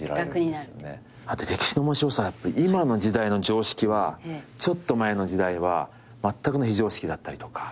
あと歴史の面白さは今の時代の常識はちょっと前の時代はまったくの非常識だったりとか。